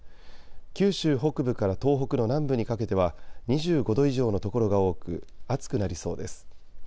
九州北部から東北の南部にかけては２５度以上の所が多く暑くなりそうです。